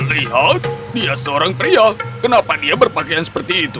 lihat dia seorang pria kenapa dia berpakaian seperti itu